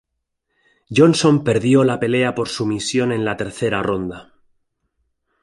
Johnson perdió la pelea por sumisión en la tercera ronda.